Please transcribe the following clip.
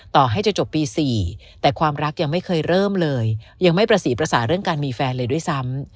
ต่อให้จะจบปี๔แต่ความรักยังไม่เคยเริ่มเลยยังไม่ประสีประสาทเรื่องการมีแฟนเลยด้วยซ้ำ